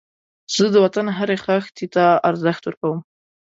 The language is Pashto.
زه د وطن هرې خښتې ته ارزښت ورکوم